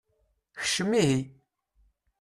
Kcem ihi.